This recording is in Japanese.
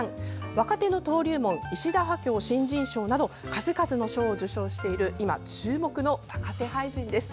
若手の登竜門「石田波郷新人賞」など数々の賞を受賞している今、注目の若手俳人です。